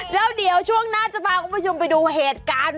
แล้วเดี๋ยวช่วงหน้าจะพาคุณผู้ชมไปดูเหตุการณ์